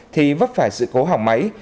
thì vấp phải sự cố hỏng máy